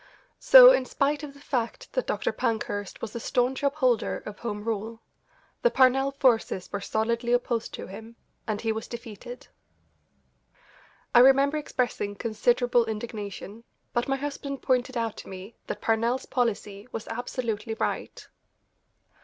So, in spite of the fact that Dr. Pankhurst was a staunch upholder of home rule, the Parnell forces were solidly opposed to him, and he was defeated. I remember expressing considerable indignation, but my husband pointed out to me that Parnell's policy was absolutely right.